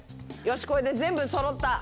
よしこれで全部そろった！